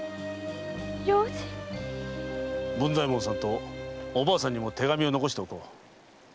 文左衛門さんとおばあさんにも手紙を残しておこう。